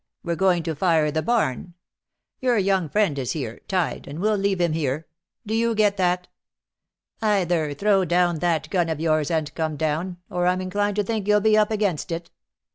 "We're going to fire the barn. Your young friend is here, tied, and we'll leave him here. Do you get that? Either throw down that gun of yours, and come down, or I'm inclined to think you'll be up against it.